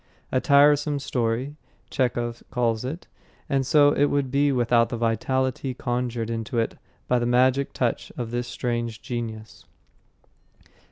A Tiresome Story, Chekhov calls it; and so it would be without the vitality conjured into it by the magic touch of this strange genius.